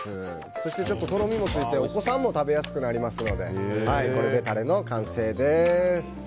そしてとろみもついてお子さんも食べやすくなりますのでこれでタレの完成です。